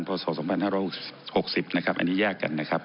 ภอสรสองพันห้าร้อยหกสิบนะครับอันนี้แยกกันนะครับ